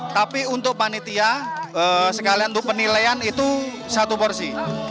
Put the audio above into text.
tapi untuk panitia sekalian untuk penilaian itu satu porsi